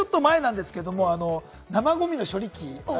ちょっと前なんですけど、生ゴミの処理機。